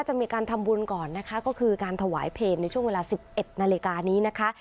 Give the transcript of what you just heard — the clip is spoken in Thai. จะมีการทำบุญก่อนนะคะก็คือการถวายเพลงในช่วงเวลา๑๑นาฬิกานี้นะคะ